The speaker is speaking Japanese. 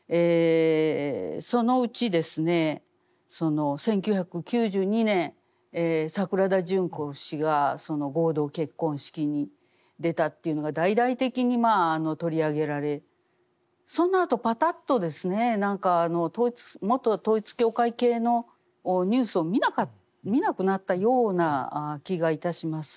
そのうちですね１９９２年桜田淳子氏が合同結婚式に出たというのが大々的に取り上げられそのあとパタッとですね元統一教会系のニュースを見なくなったような気がいたします。